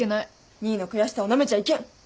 ２位の悔しさをなめちゃいけん。